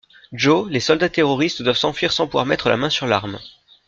Joe, les soldats terroristes doivent s'enfuir sans pouvoir mettre la main sur l'arme.